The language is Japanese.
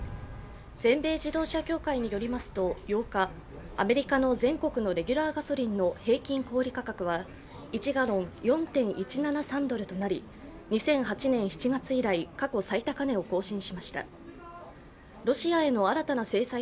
全米自動車協会によりますと８日、アメリカの全国のガソリン平均小売価格は１ガロン＝４．１７３ドルとなり２００８年７月より、過去最高値を更新しました。